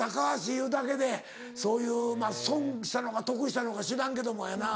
いうだけでそういうまぁ損したのか得したのか知らんけどもやな。